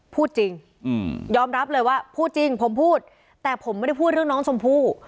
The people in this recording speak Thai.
พูดจริงยอมรับเลยว่าพูดจริงผมพูดแต่ผมไม่ได้พูดเรื่องน้องชมพู่